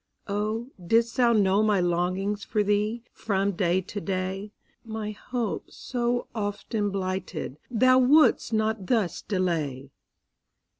Oh, didst thou know my longings For thee, from day to day, My hopes, so often blighted, Thou wouldst not thus delay!